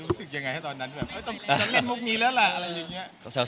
รู้สึกยังไงตอนนั้นอยากเล่นมุกนี้แล้วล่ะอะไรอย่างเงี้ย